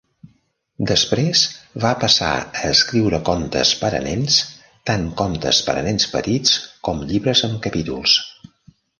Després va passar a escriure contes per a nens, tant contes per a nens petits com llibres amb capítols.